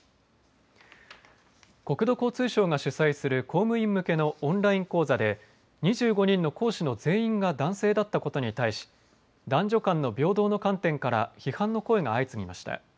国土交通省が主催する公務員向けのオンライン講座で、２５人の講師の全員が男性だったことに対し、男女間の平等の観点から、批判の声が相次ぎました。